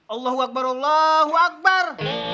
allahu akbar allahu akbar